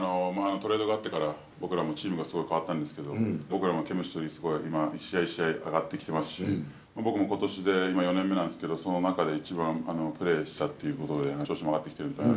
トレードがあってから僕らもチームがすごい変わったんですけど、僕らのケミストリー、今、一試合一試合上がってきてますし、僕もことしで今、４年目なんですけど、その中で一番、プレーしたっていうことで、調子も上がってきてるんで。